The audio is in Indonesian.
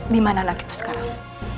dimana lagi itu sekarang